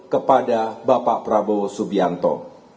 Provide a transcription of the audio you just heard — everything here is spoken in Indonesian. kepada bapak prabowo subianto